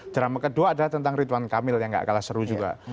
drama kedua adalah tentang ridwan kamil yang gak kalah seru juga